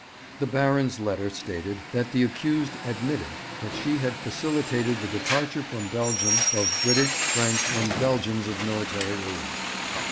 The Baron's letter stated that the accused admitted that she had facilitated the departure from Belgium of British, French, and Belgians of military age.